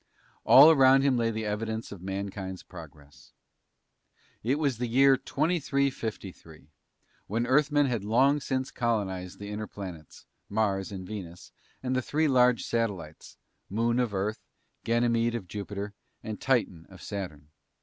All around him lay the evidence of mankind's progress. It was the year 2353, when Earthman had long since colonized the inner planets, Mars and Venus, and the three large satellites, Moon of Earth, Ganymede of Jupiter, and Titan of Saturn.